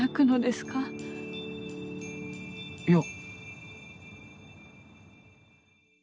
いや。